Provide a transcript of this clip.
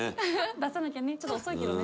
出さなきゃねちょっと遅いけどね。